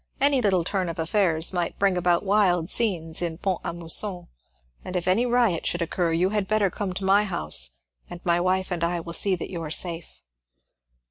Any little turn of affairs might bring about wild scenes in Pont a Mousson, and if any riot should occur you had better come to my house, and my wife and I will see that you are safe."